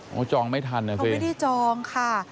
โอ้โฮจองไม่ทันนะครับพี่เขาไม่ได้จองค่ะ